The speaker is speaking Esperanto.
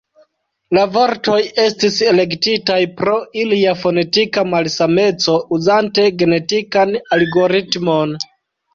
La vortoj estis elektitaj pro ilia fonetika malsameco uzante genetikan algoritmon.